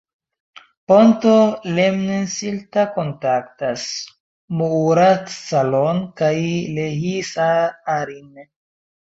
Ponto Lemmensilta kontaktas Muuratsalon kaj Lehtisaarin.